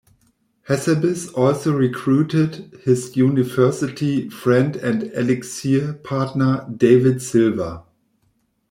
Hassabis also recruited his university friend and Elixir partner David Silver.